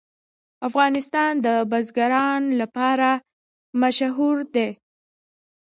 افغانستان د بزګان لپاره مشهور دی.